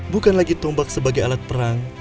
bukan lagi tombak sebagai alat perang